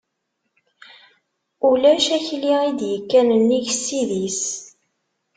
Ulac akli i d-ikkan nnig ssid-is.